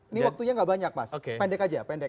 ini waktunya enggak banyak mas pendek aja